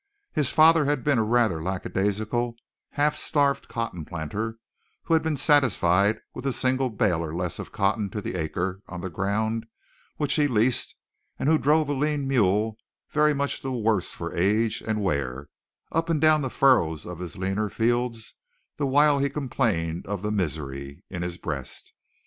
His father had been a rather lackadaisical, half starved cotton planter who had been satisfied with a single bale or less of cotton to the acre on the ground which he leased, and who drove a lean mule very much the worse for age and wear, up and down the furrows of his leaner fields the while he complained of "the misery" in his breast.